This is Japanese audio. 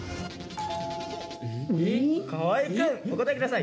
河合くんお答え下さい。